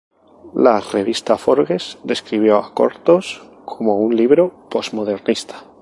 La Revista "Forbes" describió a "Cortos" como un libro postmodernista.